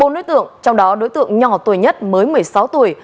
bốn đối tượng trong đó đối tượng nhỏ tuổi nhất mới một mươi sáu tuổi